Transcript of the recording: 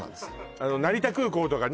成田空港とかね